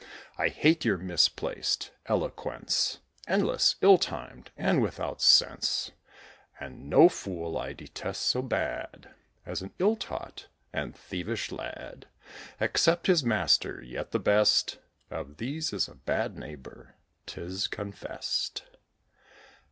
I hate your misplaced eloquence, Endless, ill timed, and without sense; And no fool I detest so bad As an ill taught and thievish lad, Except his Master; yet the best Of these is a bad neighbour, 'tis confessed.